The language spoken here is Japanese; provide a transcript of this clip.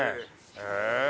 へえ。